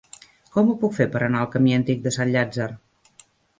Com ho puc fer per anar al camí Antic de Sant Llàtzer?